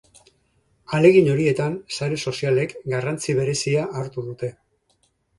Ahalegin horietan sare sozialek garrantzi berezia hartu dute.